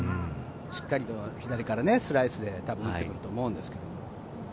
しっかりと左からスライスでたぶん入ると思うんですけど。